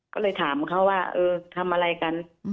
ก็เลยถามเขาว่าเออทำอะไรกัน